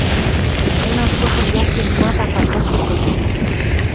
– Молнам шошым якте нимат акат лыкеп ыльы...